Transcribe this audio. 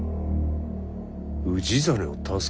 氏真を助けた？